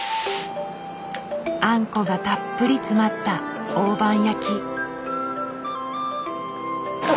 あんこがたっぷり詰まった大判焼き。